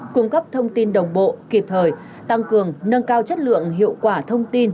cung cấp thông tin đồng bộ kịp thời tăng cường nâng cao chất lượng hiệu quả thông tin